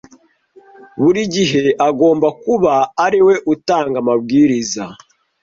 Buri gihe agomba kuba ariwe utanga amabwiriza.